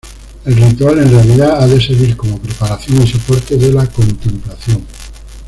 El ritual, en realidad, ha de servir como preparación y soporte de la contemplación.